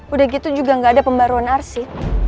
udah gitu juga nggak ada pembaruan arsip